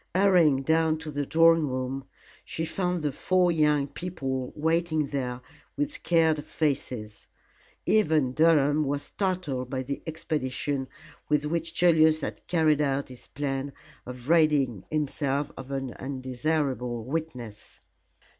Hurrying down to the drawing room, she found the four young people waiting there with scared faces. Even Durham was startled by the expedition with which Julius had carried out his plan of ridding himself of an undesirable witness.